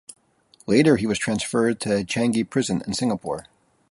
Later he was transferred to Changi Prison in Singapore.